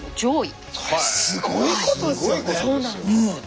すごいことですよね。